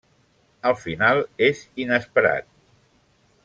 El final és inesperat.